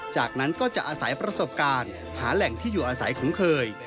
จากนั้นก็จะอาศัยประสบการณ์หาแหล่งที่อยู่อาศัยคุ้นเคย